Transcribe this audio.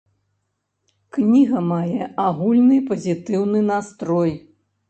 Кніга мае агульны пазітыўны настрой.